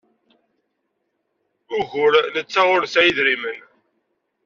Ugur netta ur nesɛi idrimen.